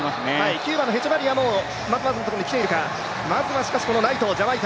キューバのヘチャバリアもまずまずのところに来ているか。